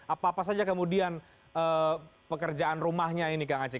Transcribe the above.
apa apa saja kemudian pekerjaan rumahnya ini kang aceh